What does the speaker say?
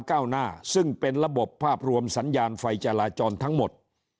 ก้าวหน้าซึ่งเป็นระบบภาพรวมสัญญาณไฟจราจรทั้งหมด